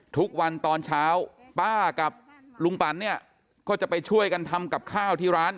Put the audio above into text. ทุกวันตอนเช้าป้ากับลุงปันเนี่ยก็จะไปช่วยกันทำกับข้าวที่ร้าน